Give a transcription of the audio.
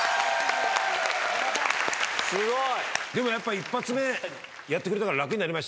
・すごい！